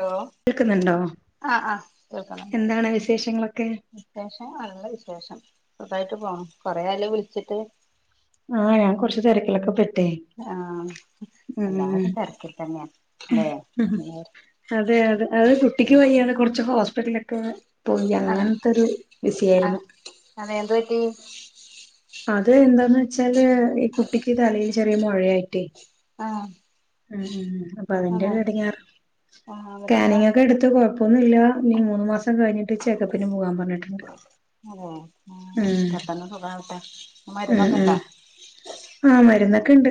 Hello കേൾക്കുന്നുണ്ടോ ആഹ് ആ കേൾക്കുന്നുണ്ട് എന്താണ് വിശേഷങ്ങളൊക്കെ വിശേഷം നല്ല വിശേഷം സുഖായിട്ട് പോണു കൊറേ ആയല്ലോ വിളിച്ചിട്ട്. ആഹ് ഞാൻ കുറച്ച് തിരക്കിലൊക്കെ പെട്ടേ ആഹ് ഉം എല്ലാരും തിരക്കി തന്നെയാ അല്ലെ അതെ അതെ അത് കുട്ടിക്ക് വയ്യാതെ കുറച്ച് ഹോസ്പിറ്റലെ ഒക്കെ പോയി ആഹ് അങ്ങനത്തൊ ഒരു ആഹ് വിഷയായിരുന്നു അതെ എന്തു പറ്റി അത് എന്താന്ന് വെച്ചാല് ഈ കുട്ടിക്ക് തലയിൽ ചെറിയ മുഴയായിട്ടെ ആഹ് ഉം ഉം അപ്പൊ അതിന്റെ അതെ ഒര് ഇടിങ്ങാറ് ആഹ് എന്നിട്ടെന്താ സ്കാനിങ് ഒക്കെ എടുത്തു കൊ- കഴപ്പൊന്നുമില്ല ഇനീ മൂന്ന് മാസം കഴിഞ്ഞിട്ട് ചെക്കപ്പിന് പോകാൻ പറഞ്ഞിടുണ്ട് അതെ പെട്ടെന്ന് സുഖാവട്ടെ ഉം മരുന്നൊക്കെ ഇണ്ടാ ഉം ആഹ് മരുന്നൊക്കെ ഉണ്ട്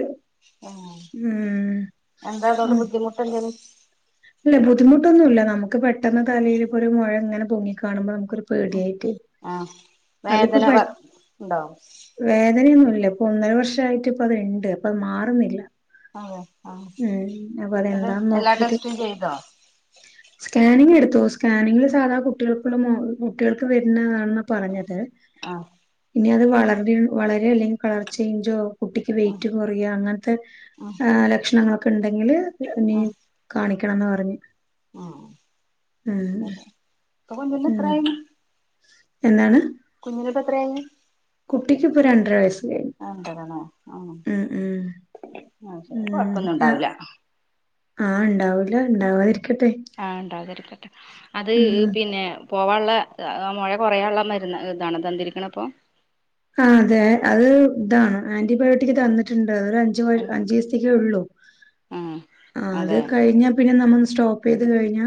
ഉം ഉം എന്താ അതുകൊണ്ട് ബുദ്ധിമുട്ട്ന്തങ്കിലും അല്ല ബുദ്ധിമുട്ടൊന്നുമില്ല നമുക്ക് പെട്ടെന്ന് തലേൽ ഇപ്പോ ഒരു മുഴ ഇങ്ങനെ പൊങ്ങിക കാണുമ്പോ നമുക്ക് ഒരു പേടിയായിട്ട് ആ അതിപ്പോ വേദന പെ വ ഉണ്ടോ വേദനയൊന്നുല്ല ഇപ്പൊ ഒന്നര വർഷയിട്ട് ഇപ്പ അതിണ്ട് അപ്പമാറുന്നില്ല അതെ ആഹ് മ്മ്ഹ് അപ്പൊ അത് അതെന്താ എല്ലാ നോക്കിട്ട്. ടെസ്റ്റും ചെയ്തോ സ്കാനിങ് എടുത്തു സ്കാനിങ്ങിൽ സാധാ കുട്ട്യോൾക്കുള്ളമൊ കുട്ട്യോൾക് വെര്ന്നണെന്ന പറഞ്ഞത് ആഹ് ഇനി അത് വളരി വളരെ അല്ലെങ്കി കളർ ചെയ്ഞ്ചോ കുട്ടിക്ക് ഉം വെയിറ്റ്കൊറയ അങ്ങൻത്തെ ഉം ലക്ഷണങ്ങളൊക്കെണ്ടെങ്കില് ഉം കാണിക്കണംന്ന് പറഞ്ഞു ഉം ഉം ഉം കവന്ന്ട്ടെത്രായി എന്താണ് കുഞ്ഞിനിപ്പ എത്രയി കുട്ടിക്ക്പ്പൊ രണ്ടര വയസ് കഴിഞ്ഞു ഉം ഉം ആ ശ ഉം ആഹ് കൊഴപ്പൊന്നുംണ്ടാവൂല്ല. ആഹ് ഉണ്ടാവൂല്ല ണ്ടാവാതിരിക്കട്ടെ ആ ണ്ടാതിരിക്കട്ടെ അത് പിന്നേം പോവാന്ള്ളെ മൊഴ കൊറയാള്ള മരുന്ന ഇതാണ് തന്നിതിരിക്കണ ഇപ്പോ ആഹ് അതെ അത് ഇതാണ് ആന്റിബയോട്ടിക്ക് തന്ന്ട്ടുണ്ട് അത് അഞ്ച് ആഹ് അഞ്ചുസ്ത്തിക്കേഒള്ളു ആഹ് ആഹ് അത് അതെ കഴിഞ്ഞാ പിന്നെ നമ്മള് സ്റ്റോപ്പ്യ്ത് കഴിഞ്ഞാ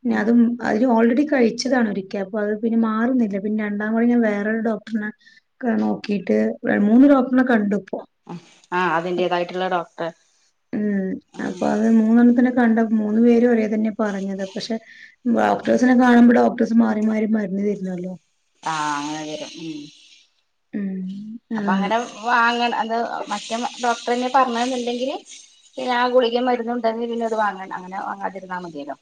പിന്ന ആഹ് അതും ആ ഓൾറെഡി കഴിച്ചതാണ് ഒരിക്കെ അപ്പൊ അത് പിന്നെ മാറുന്നില്ല പിന്നെ രണ്ടാംവഴി ഞാൻ വേറൊരു ഡോക്ടർനെ ക്കനോക്കിട്ട് മൂന്ന് ഡോക്ടർണെ കണ്ടുപ്പോ ആഹ് അതിന്റേതായിട്ടുള്ള ഡോക്ടറെ മ്മ്ഹ് അപ്പൊ അത് മൂന്നെണ്ണത്തിനെ കണ്ട മൂന്നു പേരും ഒരേ തന്നെ പറഞ്ഞത് പക്ഷേ ഡോക്ടേഴ്സിനെ കാണുമ്പോ ഡോക്ടേഴ്സ് മാറി മാരി മരുന്ന് തരുന്നല്ലോ ആഹ് അങ്ങനെരേ മ്മ്ഹ് ഉം അപ്പൊ അതാണ് അങ്ങനെ വാങ്ങ അത് മറ്റേ ഡോക്ടറനെ പർണ്ണ്ടെങ്കില് പിന്നെ ആ ഗുളികെ. മരുന്നുണ്ടെങ്കിൽ. പിന്നെത് വാങ്ങണ്ട അങ്ങനെ വാങ്ങാതിരുന്നാൽ മതിയല്ലോ.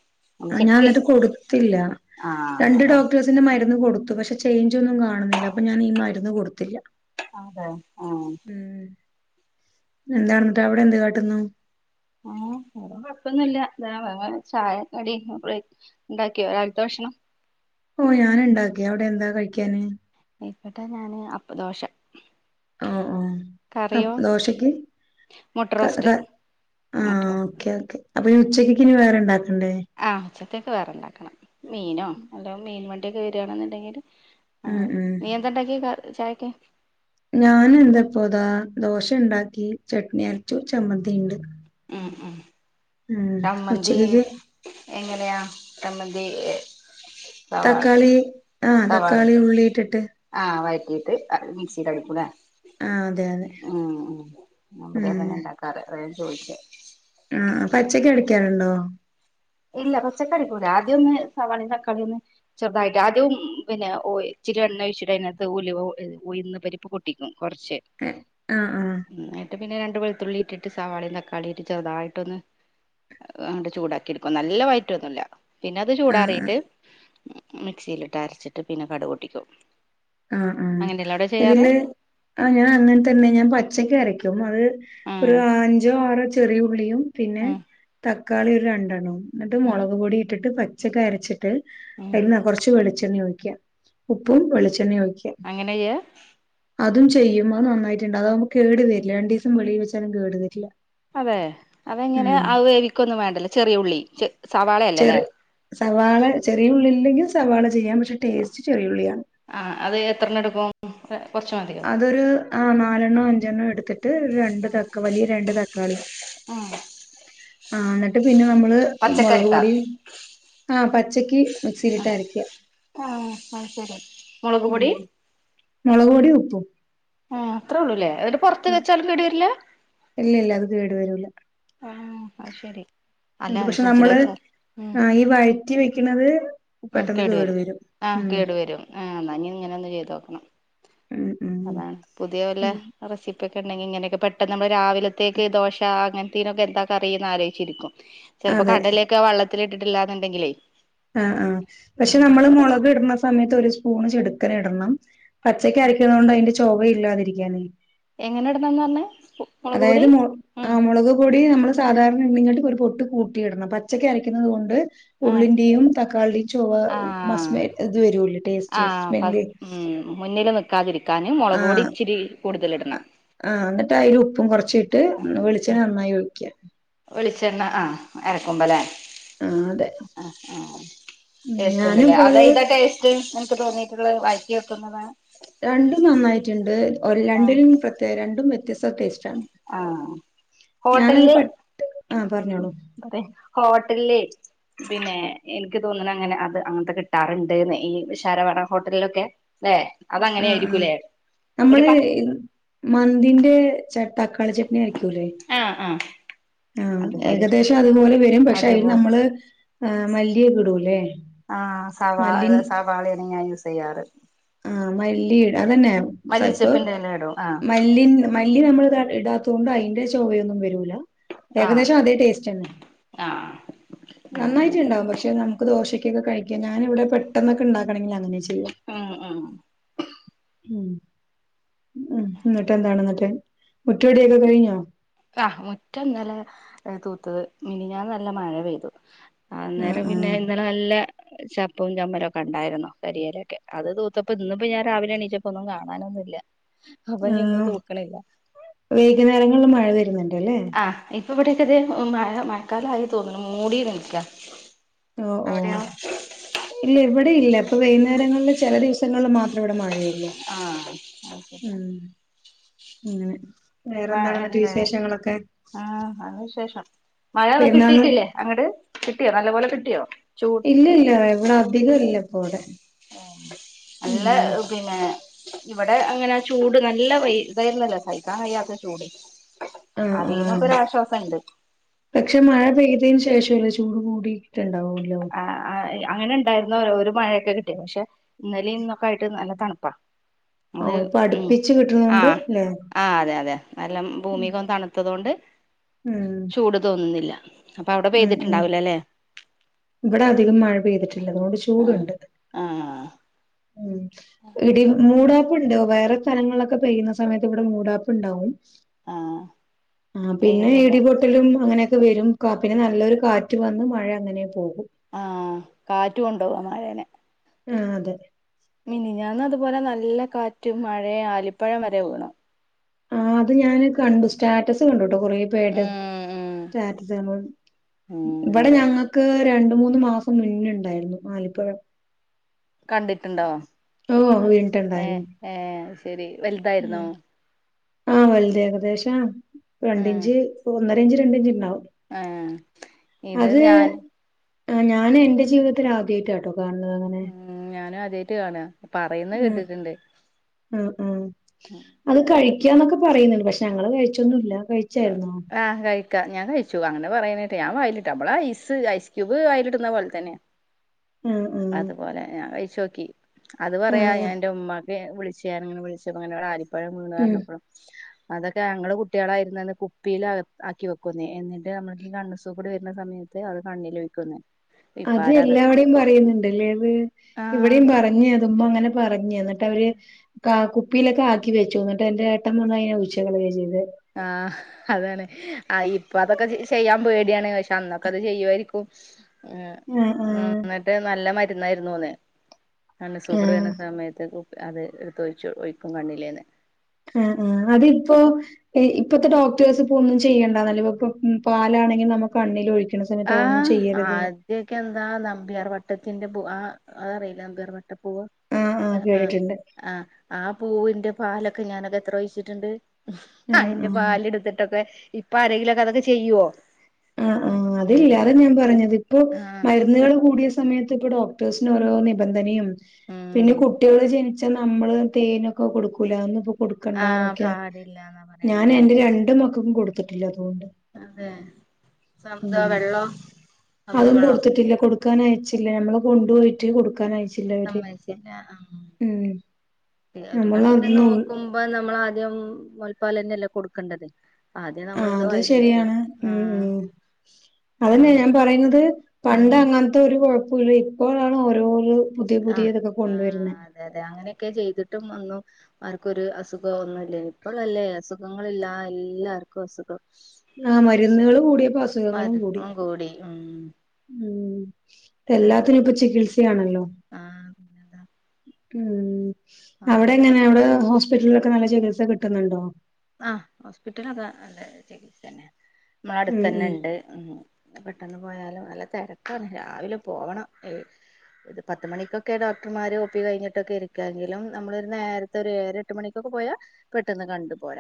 ആ ഒന്ന് ഞാൻ ചെക്ക് എന്നട്ട് കൊടുത്തില്ല. ആഹ് രണ്ട് അതാണ് ഡോക്ട്ടെസ് തിന്റെ മരുന്ന് കൊടുത്തു. പഷേ ചെയ്ഞ്ചോന്നും കാണുന്നില്ല അപ്പൊ ഞാൻ ഈ മരുന്ന് കൊടുത്തില്ല. അതെ ആഹ് ഉം എന്താണ്ന്നട്ട്. അവടെ എന്ത് കാട്ടുന്നു. ഉം കൊഴപ്പൊന്നുല്ല. താ വേ വെ ചായ കടി വെ ണ്ടാക്കിക്യ രാവിൽത്തെ ഭക്ഷണം ഓ ഞാന് ണ്ടാകി. അവടെ എന്താ കഴിക്കാന്. ഇപട ഞാന് അപ്പദോഷ. ആഹ് ആഹ് അപ് ദോശയ്ക്ക് മുട്ട ക റോസ്റ്റ് ക മുട്ട ആഹ് റോസ്റ്റ് ഓക്കെ ഓക്കെ. അപ്പഇനി ഉച്ചയ്കെക് ഇനി വേറെ ണ്ടാക്കണ്ടേ. ആ ഉച്ചതെക്ക് വേറെണ്ടാക്കണം. മീനോ അല്ല മീൻ വണ്ടിയൊക്കെ. വെര്ണെന്നുണ്ടെങ്കിൽ. ഉം ആഹ് ഉം നീ എന്താണ്ടാക്കി കാ. ചായക്ക്. ഞാൻ എന്താപ്പതാ. ദോശണ്ടാക്കി ചട്നി അരച്ചു ചമ്മന്തിണ്ട്. ഉം ഉം ച്ചമ്മന്തി ഉച്ചക്കക്ക് എങ്ങനെയാ ചമ്മതി. തക്കാളി ആ തക്കാളി ഉള്ളിട്ടിട്ട്. ആഹ് വഴറ്റിയിട്ട്. അത് മിക്സില അടികുലേ.. ആഹ് അതെ അതെ ഉം ഉം ഞാൻഇമ്പടി. ഉം അതന്നെ ണ്ടാക്കാറ് അതാ ഞാൻ ചോയിചെ. ആഹ് പച്ചക്കെടിക്കാറുണ്ടോ.. ഇല്ല പച്ചക്കടികൂല. ആദ്യം ഒന്ന് സവാളി തക്കാളി ഒന്ന്. ചെറുതായിട്ട് അതും പിന്നെ ഒ ഇചിരി എണ്ണ ഒഴിച്ചിട്ട്. അതിനകത്ത് ഉലുവ ഉഴുന്ന്പരിപ്പ് പപോട്ട് ട്ടിക്കും കൊറച്ച് ആഹ് ആഹ് ആഹ് നിട്ട് പിന്നെ രണ്ട്. വെളുത്തുള്ളിട്ടിട്ട്. സവാളി തക്കാളി ഇട്ട് ചെറുതായിട്ടൊന്ന്. അങ്ങ്ണ്ട് ചൂടാക്കി നല്ല വയറ്റൊന്നുല്ല പിന്നെ അത് ആഹ് ചൂടാറിട്ട് മിക്സിയിലിട്ട് അരച്ചിട്ട് പിന്നെ കട് പൊട്ടിക്കും ആഹ് ആഹ് അങ്ങനെയല്ലേ അവിടെ ചെയ്യാറ് ഇതില് ആ ഞാൻ അങ്ങനെ തന്നെ ഞാൻ പച്ചക്ക് അരക്കും അത് ഒരു ഉം അഞ്ചോ ആറോ ചെറിയ ഉുള്ളിയും പിന്നെ ഉം തക്കാളി ഒരു രണ്ടെണ്ണവും എന്നിട്ട് ഉം മുളക് പൊടി ഇട്ടിട്ട് പച്ചക്ക് അരച്ചിട്ട് ഉം അതിൽ കുറച്ച് വെളിച്ചെണ ഒഴിക ഉപ്പും വെളിച്ചെണ്ണയും ഒഴിക്ക അങ്ങനെ ചെയ്യാ അതും ചെയ്യും നന്നായിട്ടുണ്ട് അതാക്കുംപ്പൊ കേടു വരില്ല രണ്ടു ദിവസം വളിൽ വെച്ചാലും കേടു വരില്ല അതെ അത ഇങ്ങനെ ഉം ആ വേവിക്കൊന്നും വേണ്ടല്ലോ ചെറിയ ഉള്ളി സവാളയല്ലേ അല്ലേ ചെറി സവാള ചെറിയുള്ളില്ലെങ്കിൽ സവാള ചെയാം പക്ഷേ ടേസ്റ്റ് ചെറിയുള്ളിയാണ് ആഹ് അത് എത്രണ്ണം എടുക്കും ഉം കുറച്ചുമതി അതൊരു അ നാലെണ്ണണം അഞ്ചെണ്ണോ എടുത്തിട്ട് രണ്ട് താ വലിയ രണ്ട് തക്കാളി ഉം ആഹ് എന്നിട്ട് പിന്നെ നമ്മള് മുളക് പച്ചക്കറിക്കാ പൊടി ആഹ് പച്ചക്ക് മിക്സിയിലിട്ട് ആഹ് അരക്കുക ആഹ് ആ ശരി ഉം മുളക്പൊടി മുളക് പൊടി ഉപ്പും ആഹ് അത്രേള്ളൂല്ലേ ന്ന്ട്ട് പുറത്ത് ആ വെച്ചാലും കെട് വരില്ല ഇല്ല ഇല്ല അത് കേട് വരൂല ആഹ് ശരി ഇത് അല്ല പക്ഷേ ഫ്രിഡ്ജിൽ നമ്മള് വെച്ചാ ഉം ഈ വഴറ്റി വെക്കണുന്നത് പെട്ടെന്ന് കേടു വരും ആ ഉം കേടു വരും ആ ന്നാ ഇനി ഇങ്ങനെ ഒന്ന് ചെയ്തോക്കണം ഉം ഉം അതാണ് പുതിയ വല്ല ഉം റെസിപ്പി ഒക്കെ ഉണ്ടെങ്കിൽ ഇങ്ങനെയൊക്കെ പെട്ടെന്ന് നമ്മള് രാവിലത്തേക്ക് ദോശ അങ്ങനെ നൊക്കെ എന്താ കറിയെന്ന് ആലോചിച്ചിരിക്കും ചെലപ്പൊ അതെ കടലേക്കെ വെള്ളത്തിലിട്ടിട്ടില്ലാ ന്നുണ്ടെങ്കിലേ ആഹ് ആഹ് പക്ഷെ നമ്മള് മൊളക് ഇടുന്ന സമയത്ത് ഒരു സ്പൂണ് ചെടുക്കൻ ഇടണം പച്ചക്കരക്കണോണ്ട് അതിന്റെ ചൊവ ഇല്ലാതിരിക്കാനെ എങ്ങനെ ഇടുന്നെന്ന് പറഞ്ഞെ അതായത് മു ആ മുളക് പൊടി നമ്മള് സാധാരണണ്ണങ്ങനെ ഒരു പൊട്ട് കൂട്ടിയിടണം പച്ചക്കരക്കുന്നത് കൊണ്ട് ആഹ് ഉള്ളിന്റെയും തക്കാളി ആഹ് ചൊവസ്മെ ഇത് വരൂലേ ടേസ്റ്റ് സ്മെല്ല് മുന്നിൽ നിൽക്കാതിരിക്കാന് മൊ ളകൊടി ആഹ് ഇച്ചിരി കൂടുതൽ ഇടണം ആഹ് എന്നിട്ട് അതിൽ ഉപ്പും കൊ റച്ചിട്ട് വെളിച്ചെണ്ണ നന്നായി ഒഴിക്കുക വിളിച്ചെണ്ണ ആ അരക്കുമ്പല്ലേ ആഹ് അതെ ആഹ് ആഹ് ടേസ്റ്റ് ഉണ്ടല്ലേ ഞാനിപ്പോ അത അത് ഇതാ ടേസ്റ്റ് എനിക്ക് തോന്നിയിട്ടുള്ളത് വയറ്റി വെക്കുന്നതാണ് രണ്ടും നന്നായിട്ടുണ്ട് ഒര് ആഹ് രണ്ടിലും പ്രത്യേക രണ്ടും വ്യത്യസ്ത ടേസ്റ്റാണ് ആഹ് ഞാനങ്ങ് പെട്ട് ആ പറഞ്ഞോളൂ അതെ ഹോട്ടലിലെ പിന്നെ എനിക്ക് തോന്നണ് അങ്ങനെ അത് അങ്ങനത്തെ കിട്ടാറുണ്ട് ഈ വിഷാരവാട ഹോട്ടലിലൊക്കെ അതെ ആഹ് ആഹ് നമ്മള് മന്തിന്റെ തക്കാളി ചട്ടിണി വേക്കൂലേ ആഹ് ആഹ് ആഹ് അതുപോലെ ഏകദേശം അതുപോലെ വരും പക്ഷെ അതിന് അതുപോ നമ്മള് ആഹ് മല്ലിയെക്കിടൂലെ ആഹ് സവാ സവാളേണ് ഞാൻ യൂസെയ്യാറ് ആഹ മല്ലീടെ അതന്നെ സപ്പ മല്ലിച്ചെപ്പിന്റെ എല ഇടും ആഹ് മല്ലി മല്ലി നമ്മൾ ഇടാത്തോണ്ട് അതിന്റെ ചൊവയൊന്നും വരൂല ആഹ് ഏകദേശം അതേ ടേസ്റ്റ് തന്നെ ആഹ് അങ്ങനെല്ലേ നന്നായിട്ട്ണ്ടാവും പക്ഷെ നമുക്ക് ദോശക്കൊക്കെ കഴിക്കാ ഞാനിവിടെ പെട്ടൊന്നൊക്കെ ഉണ്ടാക്കണെങ്കിൽ അങ്ങനെ ചെയ്യാ ആഹ് ആഹ് ഉ ഉ ന്നിട്ടെന്താണ് എന്നിട്ട് മുറ്റമ ടിയൊക്കെ കഴിഞ്ഞാ ആഹ് മുറ്റം ഇന്നലെ തൂത്തത് മിനിഞ്ഞാന്ന് നല്ല മഴ പെയ്തു ആഹ് അന്നേരം പിന്നെ ആഹ് ഇന്നലെ നല്ല ചപ്പും ചമ്മലുംക്കെണ്ടായിരുന്നു കരിയലൊക്കെ അത് തൂത്തപ്പൊ ഇന്നിപ്പൊ ഞാൻ രാവിലെ എണീച്ചപ്പോ ഒന്നും കാണാനൊന്നുംഇല്ല ആ വൈകുന്നേരങ്ങളിൽ മഴ വരുന്നുണ്ട് അല്ലേ ആഹ് ഇപ്പ ഇവിടെയൊക്കെത് മഴ മഴക്കാലമായി തോന്നുണു മൂടി നിക്കാ ഓ ഓ ഇല്ല ഇവിടെ ഇല്ല ഇപ്പൊ വൈകുന്നേരങ്ങളില് ചെല ദിവസങ്ങളിൽ മാത്രം ഇവിടെ മഴയു ള്ളൂ ആഹ് അത് ശരി ഉം അങ്ങനെ മഴ വേറെന്താണ് എന്നിട്ട് ഇല്ലേ വിശേഷങ്ങളൊക്കെ ആഹ് അതിനുശേഷം മഴ പെരുന്നാള് കിട്ടീട്ടില്ലേ അങ്ങട് കിട്ടിയോ നല്ലപോലെ കിട്ടിയോ ചൂ ഇല്ല ഇല്ല ഇവിടെ അധികംഇല്ലപ്പോവിടെ അല്ല പിന്നെ ഇവിടെ അങ്ങനെ ചൂട് നല്ല വെയിൽ ഇതായിരുന്നല്ലോ സൈക്കാൻ വയ്യാത്ത ചൂട് ആഹ് ആഹ് അതെങ്കിലൊക്കെ ഒരാശ്വാസംണ്ട് പക്ഷെ മഴ പെയ്തേന് ശേഷം ല്ലേ ചൂട് കൂടിട്ടുണ്ടാവുവല്ലൊ ആഹ് അഹ് അഹ് അങ്ങനെ ഉണ്ടായിരുന്നു ഒരു മഴയൊക്കെ കിട്ടിയ പക്ഷെ ഇന്നലെ ഇന്നൊക്കെ ആയിട്ട് നല്ല തണുപ്പാ അത് ആഹ് ഇപ്പൊ ഉം അടുപ്പിച്ച് കിട്ടുന്നോണ്ട് അഹ് ല്ലേ ആഹ് അതെ അതെ നല്ലാം ഭൂമി കൊ തണുത്തത് കൊണ്ട് ഉം ചൂട് തോന്നുന്നില്ല അപ്പൊ അവിടെ ഉം ഉം പെയ്തിട്ടുണ്ടാവൂല അല്ലെ ഇവിടെ അധികം മഴ പെയ്തിട്ടില്ല അതുകൊണ്ട് ആഹ് ചൂടുണ്ട് ആഹ് ഉം ഇടി മൂട ഉണ്ട് വേറെ സ്ഥലങ്ങളിലൊക്കെ പെയ്യുന്ന സമയത്ത് ഇവിടെ മൂടാപ്പ് ഉണ്ടാവും ആഹ് ആ പിന്നെ പെയ്യുന്നില്ല ഇടിപൊട്ടലും അങ്ങനൊക്കെ വരും കാ പിന്നെ ആ നല്ലൊരു കാറ്റ് റ്റു വന്ന് മഴ അങ്ങനെ പോകും ആഹ് കാറ്റു കൊണ്ടോവാ മഴേനെ ആഹ് അതെ മിനിഞ്ഞന്ന് അതുപോലെ നല്ല കാറ്റും മഴയും ആലിപ്പഴം വരെ വീണു ആഹ് അത് ഞാന് കണ്ടു സ്റ്റാറ്റസ് കണ്ടുട്ടോ കൊറ പേരുടെ ഉം ഉം സ്റ്റാറ്റസ് ഉം ഇവിടെ അതെ ഞങ്ങക്ക് രണ്ട് മൂന്ന് മാസം മുന്നുണ്ടായിരുന്നു ആലിപ്പഴം കണ്ടിട്ടുണ്ടോ ഓഹ് ഏഹ് വീണിട്ടുണ്ടായിരുന്നു ഏഹ് ശരി വലുതായിരുന്നോ ഉം ആഹ് വലുതായിരുന്നു ഏകദേശം ഉം രണ്ടിഞ്ച് ഒന്നര ഇഞ്ച് രണ്ട് ഇഞ്ച് ഉണ്ടാവും ആഹ് ഇത് ഞാൻ ആഹ് ഞാൻ എന്റെ ജീവിതത്തിൽ ആദ്യ യായിട്ടാ ട്ടോ കാണുന്നത് അങ്ങനെ ഉ ഞാനും ആദ്യമായിട്ട് കാണ പറയുന്ന ആഹ് കേട്ടിട്ടുണ്ട് ആഹ് അഹ് അത് കഴിക്കുകന്നൊക്കെ പറയുന്നുണ്ട് പക്ഷെ ഞങ്ങള് കഴിച്ചൊന്നുല്ല കഴിച്ചായിരുന്നോ ആഹ് കഴ ഞാൻ കഴിച്ചു അങ്ങനെ പറയിന്നെട്ട് ഞാൻ വയലിട്ട് നമ്മള് ഐസ് ഐസ്ക്യൂബ് വയലിടുന്ന പോലെ തന്നെ അഹ് അഹ് അതുപോലെ ഞാൻ കഴിച്ചോക്കി അത് പറയാ ആഹ് എന്റെ ഉമ്മ വിളിച്ചു ഞാൻ അങ്ങനെ വിളിച്ചപ്പോ അങ്ങനെ ആലിപ്പഴം വീണ് ഉം പറഞ്ഞപ്പഴും അതൊക്കെ ഞങ്ങള് കുട്ടികളായിരുന്നന്ന് കുപ്പിൽ ആക്കി വെക്കുന്നേ എന്നിട്ട് നമ്മൾക്ക് ഈ കണ്ണസൂക്കേട് വരുന്ന സമയത്ത് അത് കണ്ണിൽ ഒയിക്കും അത് എല്ലാടെയും പറയുന്നുണ്ട് അല്ലേ അത് ആഹ് ഇവിടെയും പറഞ്ഞ അതുമ്മ അങ്ങനെ പറഞ്ഞ എന്ന അവര് കുപ്പിയിലൊക്കെ ആക്കി വെച്ചു ന്നിട്ട് എന്റെ ഏട്ടം വന്ന് അതിനെ ഒയിച്ച് കളയുക ചെയ്ത് ആഹ് അതാണ് ആ ഇപ്പ അതൊക്കെ ചെയ്യാൻ പേടിയാണ് പക്ഷെ അന്നൊക്കെ അത് ചെയ്യുമായിരിക്കും ഉ ആഹ് ആഹ് എന്നിട്ട് നല്ല മരുന്നായിരുന്നു അന്ന് കണ്ണ് സൂക്കേട് വരുന്ന ആഹ് സമയത്ത് അത് എടുത്തൊഴിച്ച് ഒഴിക്കും കണ്ണില്ന്ന് ആഹ് ആഹ് അതിപ്പോ ഇപ്പത്തെ ഡോക്ടേഴ്സ് ഇപ്പൊന്നും ചെയ്യേണ്ടന്നല്ലേ ഇപ്പ പാലാണെങ്കി നമു കണ്ണിലോഴിക്കണ സമയത്ത് അതോന്നും ചെയ്യരുത് ഇയൊക്കെ എന്താ നമ്പ്യാർ വട്ടത്തിന്റെ പൂ ആഹ് അതറിയില്ലേ നമ്പ്യാർ വട്ട പൂവ് ആഹ് ആഹ് കേട്ടിട്ടുണ്ട് ആഹ് ആ പൂവിന്റെ പാലൊക്കെ ഞാനൊക്കെ എത്രോഴിച്ചിട്ട് ണ്ട് ആഹ് അയിന്റെ ആഹ് പാല്ട്ത്തിട്ടൊക്കെ ഇപ്പാരെങ്കിലോക്കെ അതൊക്കെ ചെയ്യോ ആഹ് ആഹ് അതില്ലാ അതാ ഞാൻ പറഞ്ഞതിപ്പൊ ആഹ് മരുന്നുകള് കൂടിയ സമയത്ത് ഇപ്പൊ ഡോക്ടേഴ്സിനോരോ നിബന്ധനയും ഉം പിന്നെ കുട്ടിയോൾ ജനി പക്ഷെ നമ്മള് തേനൊക്കെ കൊടുക്കൂലെ അതോന്നുപ്പോ ആഹ് കൊടുക്കണ്ടന്നൊക്കെ. പാടില്ലാന്നാ ഞാൻ പറയണല്ലേ എന്റെ രണ്ട് മക്കക്കും കൊടുത്തിട്ടില്ല അതുകൊണ്ട്. അതെ സ്വന്തം ഉം വെള്ളം സ്വന്തം അതും വെള്ളം കൊടുത്തിട്ടില്ല. കൊടുക്കാനയച്ചില്ല. നമ്മള് കൊണ്ടുപോയിട്ട് കൊടുക്കാന സമ്മയ്ച്ചില്ല ആഹ് ഒരു നമ്മള് കണക്കിന് അതൊന്നും നോക്കു ഇപ്പം നമ്മളാദ്യം മൊലപ്പാലെന്നെല്ലേ കൊടുക്കണ്ടത്. ആദ്യം ആഹ് നമ്മളിത് അത് വായിലോയിചൊടു ശരിയാണ് ഉം ആഹ് ഉം അതന്നെ ഉം ഞാൻ പറയുന്നത് പണ്ട് ആഹ് അങ്ങ അതൊരു കൊഴപ്പുല്ല. ഇപ്പോഴാണ് ഓരോന്ന് പുതിയ പുതിയതൊക്കെ കൊണ്ടുവരുന്നെ. ആഹ് അതെ അതെ അങ്ങനെയൊക്കെ ചെയ്തിട്ടും വന്നു. ആർക്കൊരു അസുഖ്വ ഒന്നു ഇല്ലേനി. ഇപ്പളല്ലേ അസുഖങ്ങളില്ല എല്ലാർക്കും അസുഖം. ആഹ് മരുന്ന്കൾ കൂട്യേപ്പൊ അസുഖങ്ങളും കൂടി മരുന്നും ഉം ഉം ആഹ് എല്ലാത്തിനും ഇപ്പൊ ചികിത്സയാണല്ലോ പിന്നെന്താ ഉം അവിടെ ആര് എങ്ങനെ അവിടെ ഹോസ്പിറ്റലിലൊക്കെ നല്ല ചികിത്സ കിട്ട്ന്നുണ്ടോ. ആഹ് ഹോസ്പിറ്റലൊക്കെ നല്ലെ ചികിത്സെന്നെ നമ്മള ഉം ഉം അടുത്തെന്നെണ്ട്. ഉം പെട്ടെന്ന് പോയാലും നല്ല തെരക്കാണ് രാവിലെ പോവണം എ ഇത് പത്തുമണിക്കൊക്കെ ഡോക്ടർമാര് ഒപ്പി കഴിഞ്ഞിട്ടൊക്കെ ഇരിക്ക എങ്കിലും നമ്മളൊരു നേരത്തെ ഒര് എയരാ എ എട്ട് മണിക്കൊക്കെ പോയാ പെട്ടെന്ന് കണ്ടു പോര.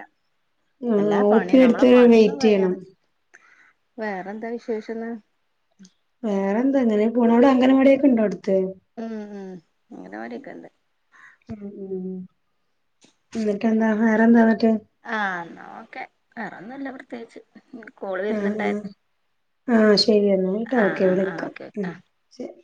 ആ അല്ലാ ഓ പണി പി നമ്മളെ എടുത്ത് പണിയൊന്നും വെയിറ്റ് ചെയ്യണം കഴിയാന്. വേറെന്താ വിശേഷന്ന് വേറെ എന്താ ഇങ്ങനെ പോണ്. അവിടെ അംഗനവാടിയൊക്കെ ഇണ്ടോ അട്ത്ത്. ഉം ഉം അംഗനവാടിയൊക്കണ്ട് ഉം ഉം ഇന്നട്ടെന്താ വേറെന്താ ഇന്നട്ട് ആഹ് എന്നാ ഓക്കെ വേറൊന്നുല്ല പ്രത്യേകിച്ച് കോള് ആഹ് ആഹ് വരുന്നുണ്ടായിരുന്ന്. ആഹ് ശെരി എന്നിട്ടൊക്കെ വിളക്കാം ഓക്കെ ഉം ആഹ് ശരി